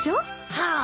はあ。